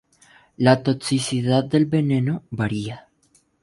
La toxicidad del veneno varía.